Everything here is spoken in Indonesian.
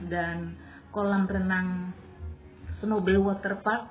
dan kolam renang snowbell waterpark